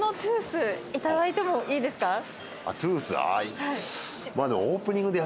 頂いてもいいですか？